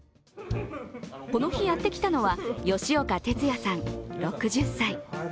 この日、やってきたのは吉岡哲也さん、６０歳。